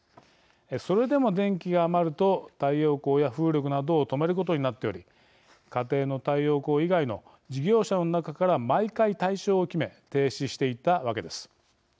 それでも、電気が余ると太陽光や風力などを止めることになっており家庭の太陽光以外の事業者の中から毎回対象を決め停止していったわけです。